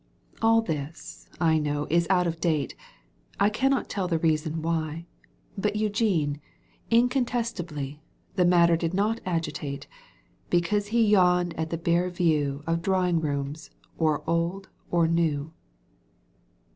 All this I know is out of date, I cannot teU the reason why. But Eugene, incontestably, The matter did not agitate, Because he yawдed at the bare view Of drawing rooms or old or new.